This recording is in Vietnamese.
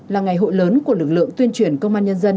là ngày hội lớn của lực lượng tuyên truyền công an nhân dân